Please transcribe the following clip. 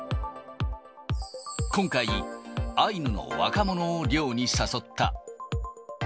今回、アイヌの若者を猟に誘った。